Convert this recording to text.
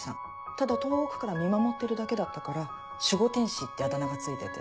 ただ遠くから見守ってるだけだったから守護天使ってあだ名が付いてて。